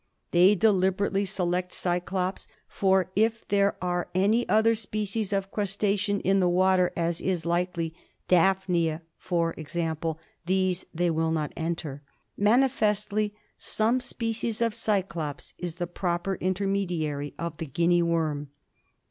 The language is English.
They deliber ately select Cyclops ; for if there are any other species of crustacean in the water, as is likely, daphnia for example, these they will not enter. Manifestly some species of Cyclops is the proper intermediary of the Guinea worm.